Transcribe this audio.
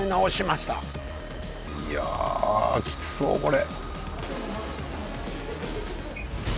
いやあきつそうこれ。